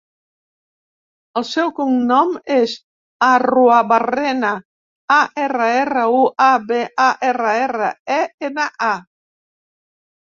El seu cognom és Arruabarrena: a, erra, erra, u, a, be, a, erra, erra, e, ena, a.